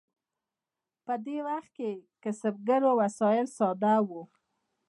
په دې وخت کې د کسبګرو وسایل ساده وو.